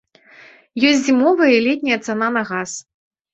Ёсць зімовая і летняя цана на газ.